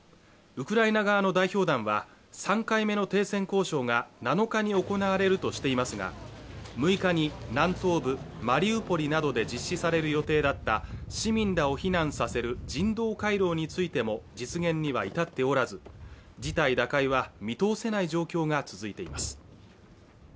ウクライナ側の代表団は３回目の停戦交渉が７日に行われるとしていますが６日に南東部マリウポリなどで実施される予定だった市民らを避難させる人道回廊についても実現には至っておらず事態打開は見通せない状況が続いています